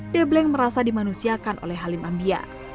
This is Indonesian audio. debleng merasa dimanusiakan oleh halim ambia